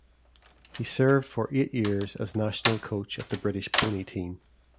He served for eight years as national coach for the British pony team.